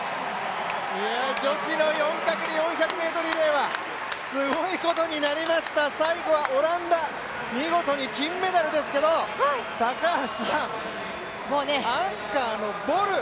女子の４×４００ｍリレーはすごいことになりました、最後はオランダ、見事に金メダルですけど高橋さん、アンカーのボル！